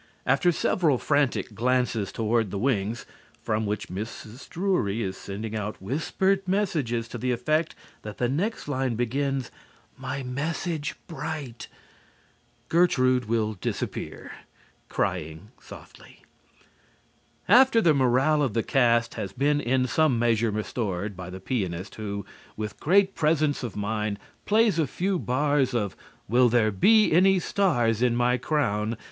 After several frantic glances toward the wings, from which Mrs. Drury is sending out whispered messages to the effect that the next line begins, "My message bright " Gertrude will disappear, crying softly. [Illustration: "'Round and 'round the tree I go."] After the morale of the cast has been in some measure restored by the pianist, who, with great presence of mind, plays a few bars of "Will There Be Any Stars In My Crown?"